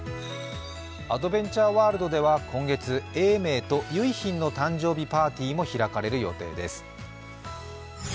アドベンチャーワールドでは今月、永明と結浜の誕生日パーティーも開かれる予定です。